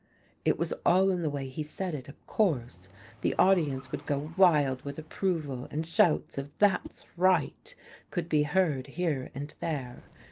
It was all in the way he said it, of course. The audience would go wild with approval, and shouts of "that's right" could be heard here and there.